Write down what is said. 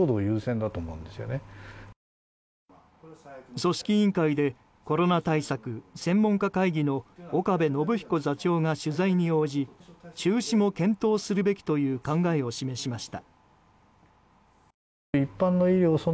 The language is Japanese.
組織委員会でコロナ対策専門家会議の岡部信彦座長が取材に応じ中止も検討するべきという考えを示しました。